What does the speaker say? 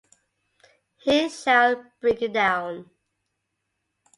He shall bring it down.